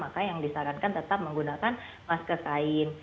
maka yang disarankan tetap menggunakan masker kain